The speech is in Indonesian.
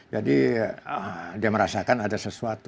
jadi dia merasakan ada sesuatu